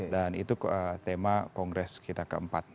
dan itu tema kongres kita keempat